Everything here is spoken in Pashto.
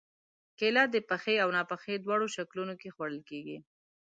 کېله د پخې او ناپخې دواړو شکلونو کې خوړل کېږي.